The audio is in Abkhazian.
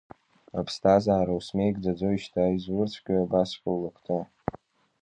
Аԥсҭазаара, усмеигӡаӡои шьҭа, изурцәгьои абасҵәҟьа улакҭа?!